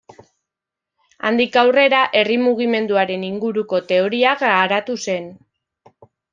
Handik aurrera herri-mugimenduaren inguruko teoria garatu zuen.